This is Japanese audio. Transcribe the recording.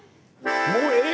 もうええ。